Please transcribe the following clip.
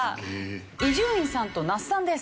伊集院さんと那須さんです。